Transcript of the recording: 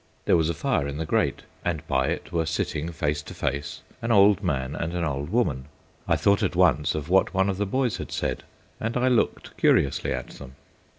There was a fire in the grate, and by it were sitting face to face an old man and an old woman. I thought at once of what one of the boys had said, and I looked curiously at them.